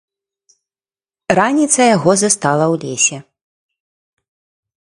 Раніца яго застала ў лесе.